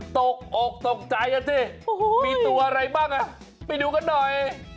ตกอกตกใจอ่ะสิมีตัวอะไรบ้างอ่ะไปดูกันหน่อย